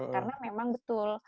karena memang betul